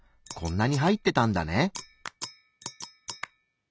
こんなに入ってたんだね。